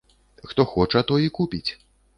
Хто хоча, той і купіць.